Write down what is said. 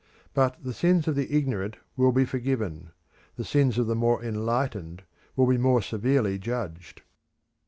But the sins of the ignorant will be forgiven; the sins of the more enlightened will be more severely judged.